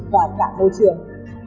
và cả môi trường